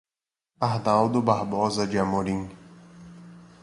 Arnaldo Barbosa de Amorim